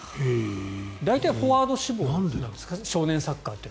大体、フォワード志望なんですか少年サッカーって。